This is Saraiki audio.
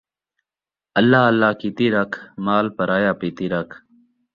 اللہ اللہ کیتی رکھ، مال پرایا پیتی رکھ